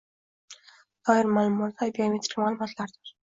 doir ma’lumotlar biometrik ma’lumotlardir.